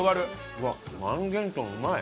うわっ萬幻豚うまい。